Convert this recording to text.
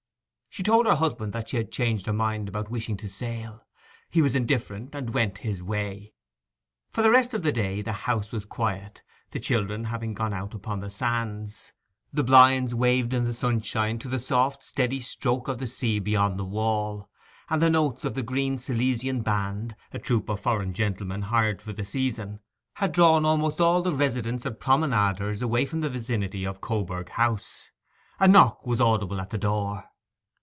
She told her husband that she had changed her mind about wishing to sail. He was indifferent, and went his way. For the rest of the day the house was quiet, the children having gone out upon the sands. The blinds waved in the sunshine to the soft, steady stroke of the sea beyond the wall; and the notes of the Green Silesian band, a troop of foreign gentlemen hired for the season, had drawn almost all the residents and promenaders away from the vicinity of Coburg House. A knock was audible at the door.